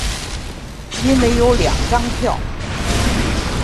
因为有两张票